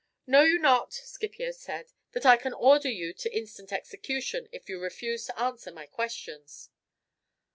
"Know you not," Scipio said, "that I can order you to instant execution if you refuse to answer my questions?"